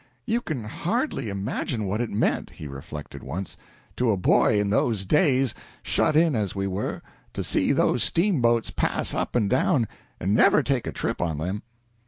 "You can hardly imagine what it meant," he reflected, once, "to a boy in those days, shut in as we were, to see those steamboats pass up and down, and never take a trip on them."